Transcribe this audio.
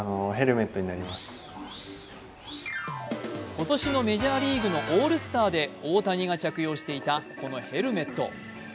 今年のメジャーリーグのオールスターで大谷が着用していたこのヘルメット。